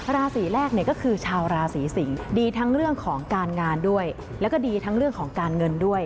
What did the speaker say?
ราศีแรกเนี่ยก็คือชาวราศีสิงศ์ดีทั้งเรื่องของการงานด้วยแล้วก็ดีทั้งเรื่องของการเงินด้วย